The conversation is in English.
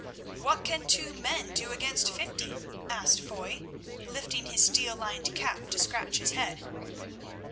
"What can two men do against fifty?" asked Foy, lifting his steel lined cap to scratch his head.